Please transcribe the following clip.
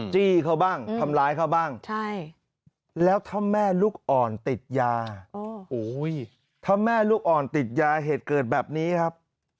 จี้เขาบ้างทำร้ายเขาบ้างแล้วถ้าแม่ลูกอ่อนติดยาถ้าแม่ลูกอ่อนติดยาเหตุเกิดแบบนี้ครับ